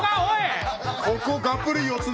ここがっぷり四つですね。